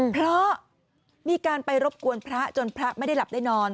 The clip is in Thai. เพราะมีการไปรบกวนพระจนพระไม่ได้หลับได้นอน